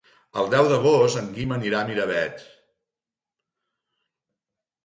El deu d'agost en Guim anirà a Miravet.